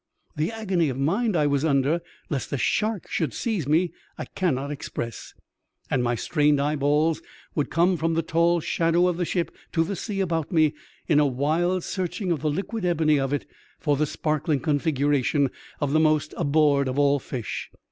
The agony of mind I was under lest a shark should seize me I cannot express, and my strained eyeballs would come from the tall shadow of the ship to the sea about me in a wild searching of the liquid ebony of it for the sparkling configuration of the most abhorred of all fish.